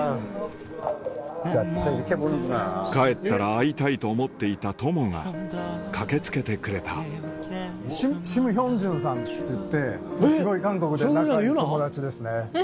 帰ったら会いたいと思っていた友が駆け付けてくれたシム・ヒョンジュンさんっていってすごい韓国で仲いい友達ですね。